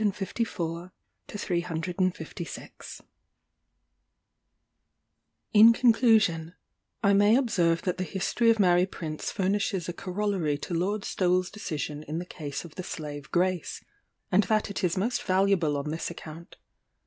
In conclusion, I may observe that the history of Mary Prince furnishes a corollary to Lord Stowell's decision in the case of the slave Grace, and that it is most valuable on this account.